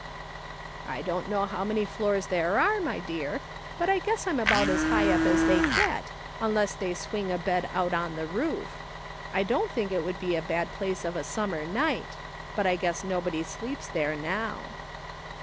" I don't know liow mnny floors there are, my dear, but I guess I'm about as high up as they get, unless they swing a bed out on the roof. I don't think it would be a bad place of a summer night ; but I guess nobody sleeps there now."